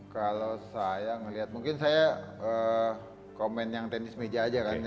kalau saya ngelihat mungkin saya komen yang tenis meja aja kan